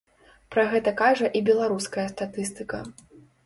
Пра гэта кажа і беларуская статыстыка.